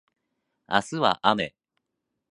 明日は雨